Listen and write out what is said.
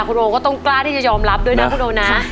คุณโอก็ต้องกล้าที่จะยอมรับด้วยนะคุณโอนะ